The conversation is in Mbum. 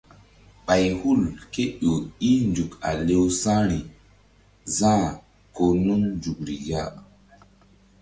Ɓay hul ké ƴo i nzuk a lewsa̧ri za̧h ko nun nzukri ya.